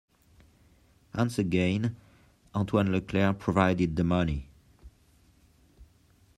Once again Antoine LeClaire provided the money.